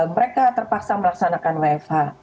mereka terpaksa melaksanakan wfa